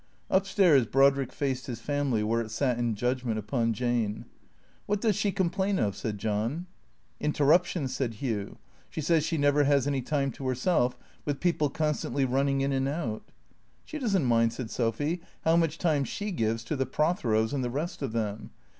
Up stairs Brodrick faced his family where it sat in judgment upon Jane. " Wliat does she complain of ?" said John. " Interruption," said Hugh. '' She says she never has any time to herself, with people constantly running in and out." " She does n't mind," said Sophy, " how much time she gives to the Protheros and the rest of them.